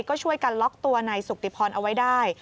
ก็ช่วยกันล็อกตัวนายสุกติพรเอาไว้ได้